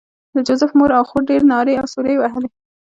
د جوزف مور او خور ډېرې نارې او سورې وهلې